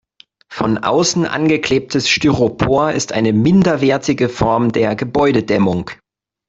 Von außen angeklebtes Styropor ist eine minderwertige Form der Gebäudedämmung.